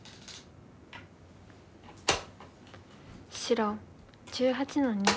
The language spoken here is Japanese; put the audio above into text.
白１８の二。